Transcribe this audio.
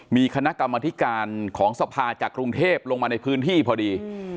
มีคณะกรรมธิการของสภาจากกรุงเทพลงมาในพื้นที่พอดี